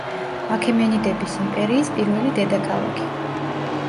აქემენიდების იმპერიის პირველი დედაქალაქი.